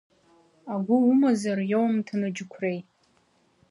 Агәы умазар, иоумҭан аџьықәреи!